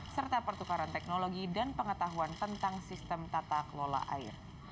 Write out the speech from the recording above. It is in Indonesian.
serta pertukaran teknologi dan pengetahuan tentang sistem tata kelola air